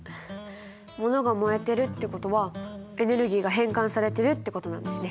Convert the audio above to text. ものが燃えてるってことはエネルギーが変換されてるってことなんですね。